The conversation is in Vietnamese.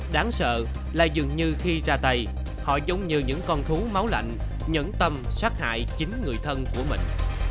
đáng sợ là dường như khi ra tay họ giống như những con thú máu lạnh nhẫn tâm sát hại chính người thân của mình